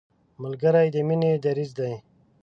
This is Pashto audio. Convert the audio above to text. ملګری د مینې دریځ دی